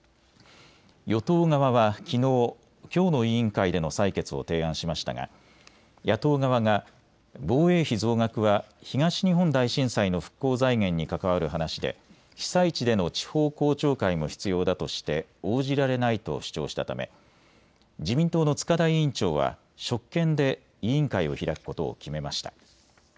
与党側はきのう、きょうの委員会での採決を提案しましたが野党側が防衛費増額は東日本大震災の復興財源に関わる話で被災地での地方公聴会も必要だとして応じられないと主張したため、自民党の塚田委員長は職権で委員会を開くことを決めました。